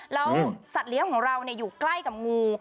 แล้วสัตว์เลี้ยงของเราอยู่ใกล้กับงู